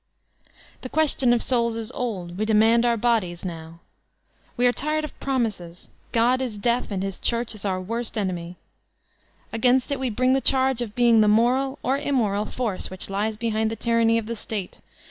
The question of souls is old — ^we demand oar bodies, now. We are tired of promises, (jod is deaf, and hit Sex Slavery 351 church is our worst enemy. Against it we bring the charge of being the moral (or immoral) force which lies behind the tyranny of the State.